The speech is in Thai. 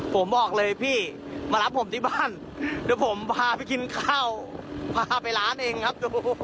ผมบอกเลยพี่มารับผมที่บ้านเดี๋ยวผมพาไปกินข้าวพาไปร้านเองครับ